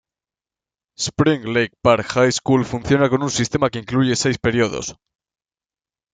Spring Lake Park High School funciona con una sistema que incluye seis periodos.